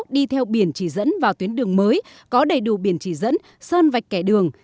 đi theo biển chỉ dẫn vào tuyến đường mới có đầy đủ biển chỉ dẫn sơn vạch kẻ đường